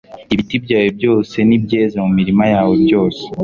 ibiti byawe byose n'ibyeze mu mirima yawe byose